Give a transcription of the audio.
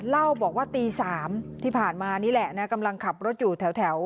เล่าบอกว่าตี๓ที่ผ่านมานี่แหละนะกำลังขับรถอยู่แถว